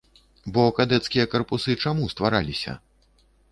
Бо кадэцкія карпусы чаму ствараліся?